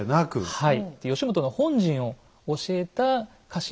はい。